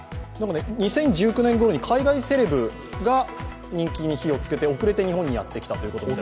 ２０１９年ごろに海外セレブが人気に火をつけて遅れて日本にやってきたということです。